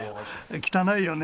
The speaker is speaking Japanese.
汚いよね。